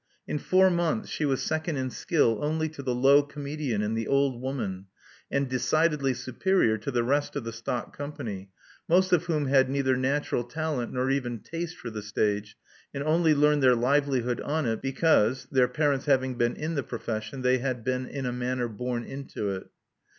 In four months, she was second in skill only to the low come dian and the old woman, and decidedly superior to the rest of the stock company, most of whom had neither natural talent nor even taste for the stage, and only earned their livelihood on it because, their parents having been in the profession, they had been in a manner born into it.